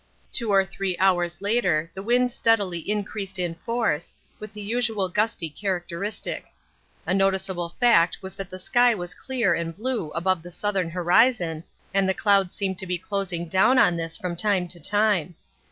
Two or three hours later the wind steadily increased in force, with the usual gusty characteristic. A noticeable fact was that the sky was clear and blue above the southern horizon, and the clouds seemed to be closing down on this from time to time.